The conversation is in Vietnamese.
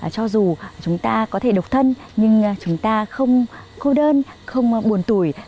cho dù chúng ta có thể độc thân nhưng chúng ta không cô đơn không buồn tuổi